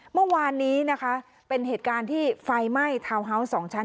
เมื่อวานนี้นะคะเป็นเหตุการณ์ที่ไฟไหม้ทาวน์ฮาวส์๒ชั้น